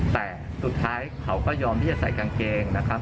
แต่สุดท้ายเขาก็ยอมที่จะใส่กางเกงนะครับ